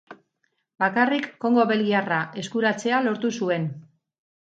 Bakarrik Kongo Belgikarra eskuratzea lortu zuen.